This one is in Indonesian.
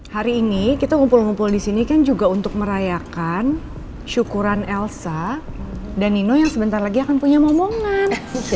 hari ini kita ngumpul ngumpul di sini kan juga untuk merayakan syukuran elsa dan nino yang sebentar lagi akan punya momongan